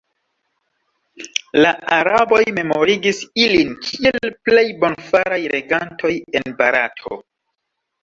La araboj memorigis ilin kiel plej bonfaraj regantoj en Barato.